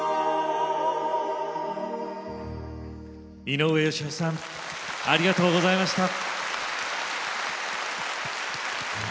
井上芳雄さんありがとうございました。